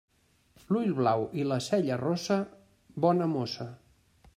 L'ull blau i la cella rossa, bona mossa.